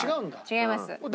違います。